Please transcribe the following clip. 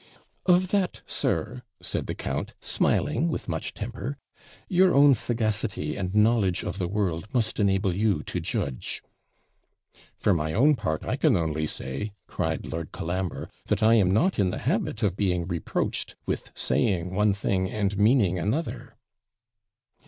'Of that, sir,' said the count, smiling with much temper, 'your own sagacity and knowledge of the world must enable you to judge.' 'For my own part, I can only say,' cried Lord Colambre, 'that I am not in the habit of being reproached with saying one thing and meaning another.'